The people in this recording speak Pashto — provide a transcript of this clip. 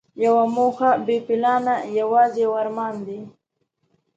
یوه موخه بې پلانه یوازې یو ارمان دی.